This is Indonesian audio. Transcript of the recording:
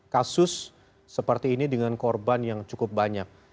kasus seperti ini dengan korban yang cukup banyak